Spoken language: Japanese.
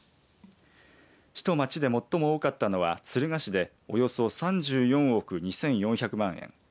市と町で最も多かったのは敦賀市でおよそ３４億２４００万円